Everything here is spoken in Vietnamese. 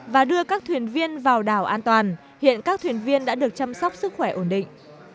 và đưa các thuyền viên vào đảo an toàn hiện các thuyền viên đã được chăm sóc sức khỏe ổn định